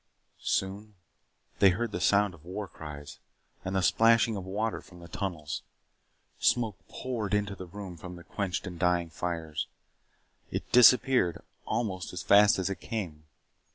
Soon they heard the sound of war cries and the splashing of water from the tunnels. Smoke poured into the room from the quenched and dying fires. It disappeared almost as fast as it came.